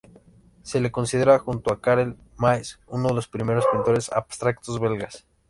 Se le considera, junto a Karel Maes, uno de los primeros pintores abstractos belgas.